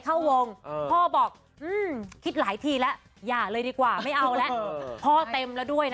เข้าวงพ่อบอกคิดหลายทีแล้วอย่าเลยดีกว่าไม่เอาแล้วพ่อเต็มแล้วด้วยนะ